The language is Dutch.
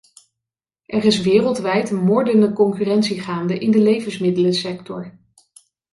Er is wereldwijd een moordende concurrentie gaande in de levensmiddelensector.